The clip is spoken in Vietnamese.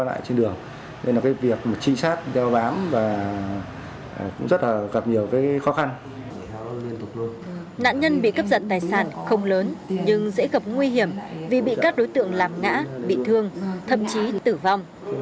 nạn nhân bị cướp giật tài sản không lớn nhưng dễ gặp nguy hiểm vì bị các đối tượng làm nã bị thương thậm chí tử vong